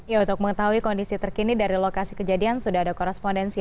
ya untuk mengetahui kondisi terkini dari lokasi kejadian sudah ada korespondensi